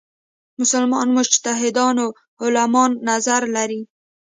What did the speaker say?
مسلمان مجتهدان عالمان نظر لري.